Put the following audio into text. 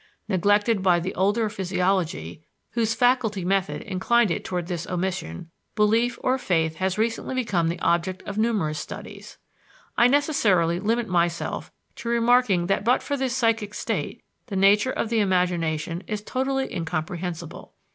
Neglected by the older physiology, whose faculty method inclined it toward this omission, belief or faith has recently become the object of numerous studies. I necessarily limit myself to remarking that but for this psychic state, the nature of the imagination is totally incomprehensible.